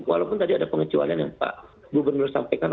walaupun tadi ada pengecualian yang pak gubernur sampaikan